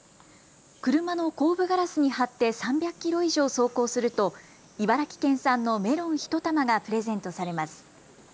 車の後部ガラスに貼って３００キロ以上走行すると茨城県産のメロン１玉がプレゼントされます。